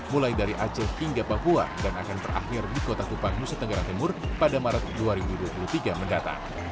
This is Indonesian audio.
mulai dari aceh hingga papua dan akan berakhir di kota kupang nusa tenggara timur pada maret dua ribu dua puluh tiga mendatang